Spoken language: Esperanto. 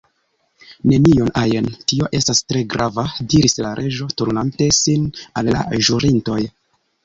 "Nenion ajn." "Tio estas tre grava," diris la Reĝo turnante sin al la ĵurintoj.